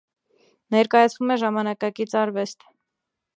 Ներկայացվում է ժամանակակից արվեստ։